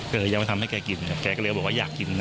ก็เลยยังไม่ทำให้แกกินแกก็เลยบอกว่าอยากกินนะ